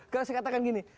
kalau saya katakan gini